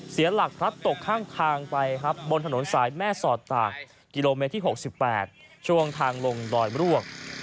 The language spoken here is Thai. เสียหลักพลัดตกข้างทางไปครับบนถนนสายแม่สอดตากกิโลเมตรที่๖๘ช่วงทางลงดอยร่วง